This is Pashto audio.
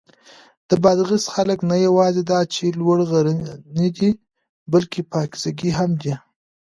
د بادغیس خلک نه یواځې دا چې لوړ غرني دي، بلکې پاکیزګي هم دي.